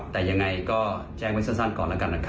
แต่ยังไงก็แจ้งไว้สั้นก่อนละกัน